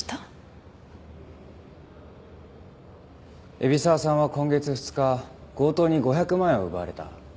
海老沢さんは今月２日強盗に５００万円を奪われた。